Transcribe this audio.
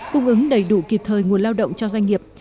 cung ứng đầy đủ kịp thời nguồn lao động cho doanh nghiệp